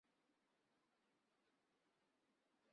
是室町时代幕府三管领之一。